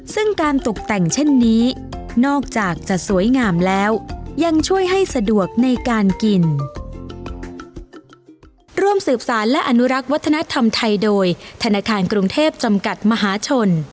ซึ่งการตกแต่งเช่นนี้นอกจากจะสวยงามแล้วยังช่วยให้สะดวกในการกิน